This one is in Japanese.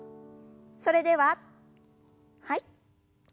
それでははい。